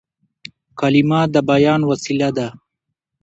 کلیمه د بیان وسیله ده.